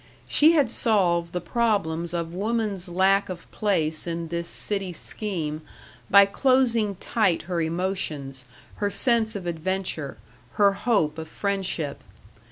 She had solved the problems of woman's lack of place in this city scheme by closing tight her emotions, her sense of adventure, her hope of friendship.